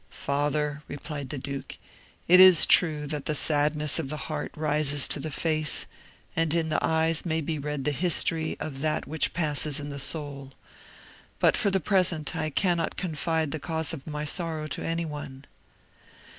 "Father," replied the duke, "it is true that the sadness of the heart rises to the face, and in the eyes may be read the history of that which passes in the soul; but for the present I cannot confide the cause of my sorrow to any one."